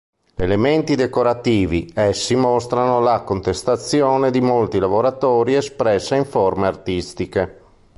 Elementi decorativi, essi mostrano la contestazione di molti lavoratori espressa in forme artistiche.